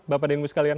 bapak dan ibu sekalian